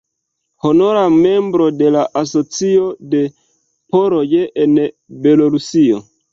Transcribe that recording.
Honora membro de la Asocio de poloj en Belorusio.